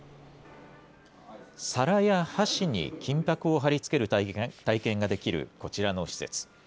皿や箸に金ぱくをはり付ける体験ができるこちらの施設。